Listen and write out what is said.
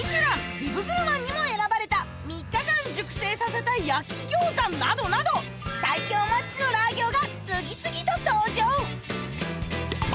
「ビブグルマン」にも選ばれた３日間熟成させた焼き餃子などなど最初のラー餃は？